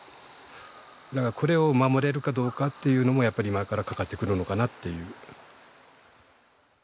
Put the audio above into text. だからこれを守れるかどうかっていうのもやっぱり今からかかってくるのかなっていう。